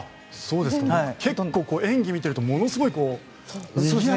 結構演技を見ているとものすごいにぎやかな。